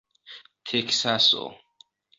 teksaso